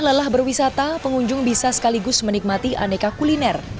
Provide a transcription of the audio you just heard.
lelah berwisata pengunjung bisa sekaligus menikmati aneka kuliner